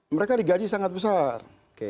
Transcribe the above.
mereka digaji sangat besar